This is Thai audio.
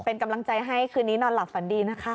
เป็นกำลังใจให้คืนนี้นอนหลับฝันดีนะคะ